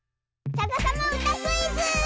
「さかさまうたクイズ」！